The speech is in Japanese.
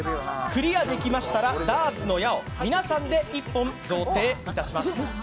クリアできましたら、ダーツの矢を皆さんで１本贈呈いたします。